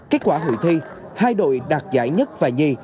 kết quả hội thi hai đội đạt giải nhất và nhì